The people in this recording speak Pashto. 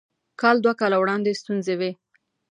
کال دوه کاله وړاندې ستونزې وې.